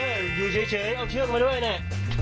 เอ๊ะอยู่เฉยเอาเชือกมาด้วย